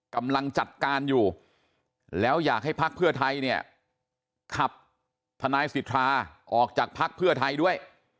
กำลังจัดการอยู่แล้วอยากให้ภักดิ์เพื่อไทยเนี่ยขับทนายสิทธาออกจากพักเพื่อไทยด้วย